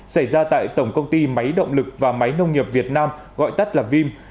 xảy ra tại tổng công ty máy động lực và máy nông nghiệp việt nam gọi tắt là vim